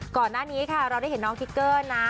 ก่อนหน้านี้ค่ะเราได้เห็นน้องทิกเกอร์นะ